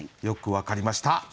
よく分かりました。